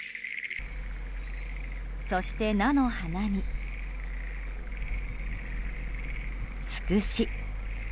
そして菜の花に、つくし。